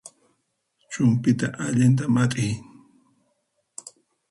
Chumpyta allinta mat'iy